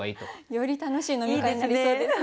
より楽しい飲み会になりそうですね。